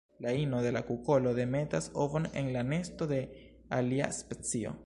La ino de la kukolo demetas ovon en la nesto de alia specio.